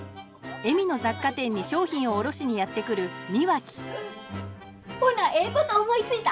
恵美の雑貨店に商品を卸しにやって来る庭木ほなええこと思いついた！